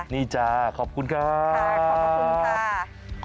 นี่จ๋าขอบคุณค่ะค่ะขอบคุณค่ะ